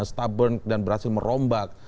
stubborn dan berhasil merombak